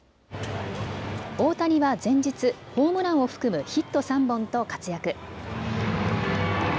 大谷は前日、ホームランを含むヒット３本と活躍。